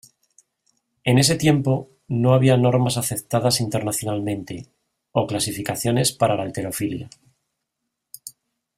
En ese tiempo, no había normas aceptadas internacionalmente o clasificaciones para la halterofilia.